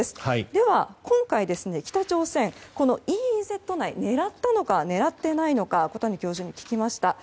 では今回、北朝鮮はこのＥＥＺ内を狙ったのか狙っていないのか小谷教授に聞きました。